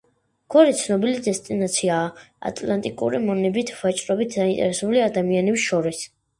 გორე ცნობილი დესტინაციაა ატლანტიკური მონებით ვაჭრობით დაინტერესებულ ადამიანებს შორის.